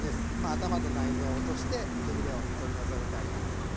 頭と内臓を落として背ビレを取り除いてあります。